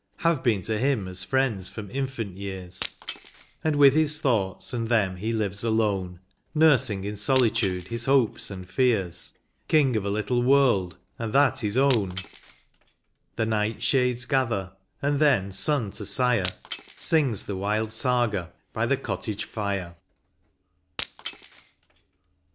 Have been to him as friends from infant years ; And with his thoughts and them he lives alone, Nursing in solitude his hopes and fears. King of a little world, and that his own : The night shades gather, and then son to sire Sings the wild saga by the cottage fire.